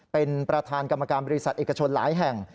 เป็นประธานกรรมการบริษัทเอกชนหลายแห่ง